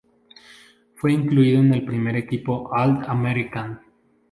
En fue incluido en el primer equipo All-American.